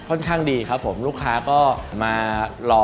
ข้างดีครับผมลูกค้าก็มารอ